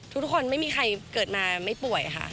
ไม่มีใครเกิดมาไม่ป่วยค่ะ